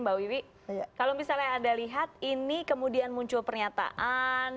mbak wiwi kalau misalnya anda lihat ini kemudian muncul pernyataan